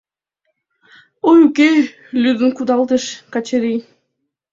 — Ой, уке! — лӱдын кудалтыш Качырий.